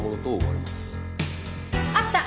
あった！